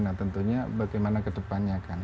nah tentunya bagaimana ke depannya kan